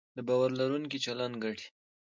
د باور لرونکي چلند ګټې